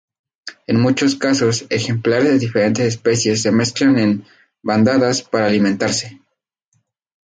En muchos casos, ejemplares de diferentes especies se mezclan en bandadas para alimentarse.